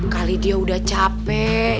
kali dia udah capek